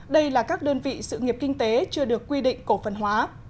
đây là các đơn vị sự nghiệp kinh tế chưa được quy định cổ phần hóa